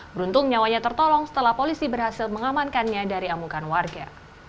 beruntung nyawanya tertolong setelah polisi berhasil mengamankannya dari amukan warga